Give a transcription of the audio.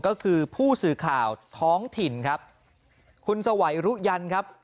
ก็คือผู้สื่อข่าวท้องถิ่นครับคุณสวัยรุยันครับ